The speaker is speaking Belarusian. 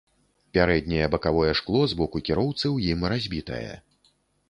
Пярэдняе бакавое шкло з боку кіроўцы ў ім разбітае.